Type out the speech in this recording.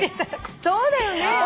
そうだよね。